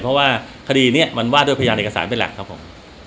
เพราะว่าคดีนี้มันว่าด้วยพยานเอกสารเป็นหลักครับผม